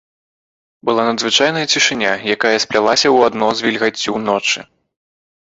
Была надзвычайная цішыня, якая сплялася ў адно з вільгаццю ночы.